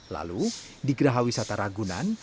lalu di geraha wisata ragunan